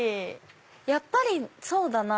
やっぱりそうだな。